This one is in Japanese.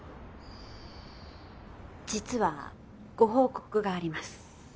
実はご報告があります。